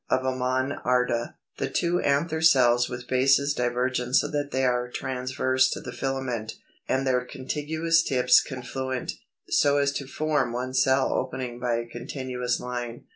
Of a Monarda: the two anther cells with bases divergent so that they are transverse to the filament, and their contiguous tips confluent, so as to form one cell opening by a continuous line.